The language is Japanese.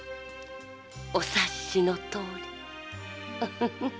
お察しのとおり。